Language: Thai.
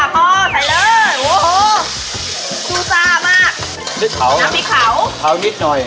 พ่อใส่เลยโอ้โหสู้ซ่ามากน้ำพริกขาวน้ำมีขาวนิดหน่อย